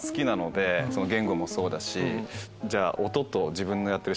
言語もそうだし。